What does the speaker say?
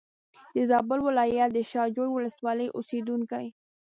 د زابل ولایت د شا جوی ولسوالۍ اوسېدونکی.